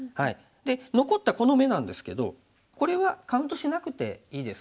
残ったこの眼なんですけどこれはカウントしなくていいです。